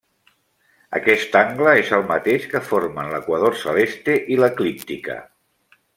Aquest angle és el mateix que formen l'equador celeste i l'eclíptica.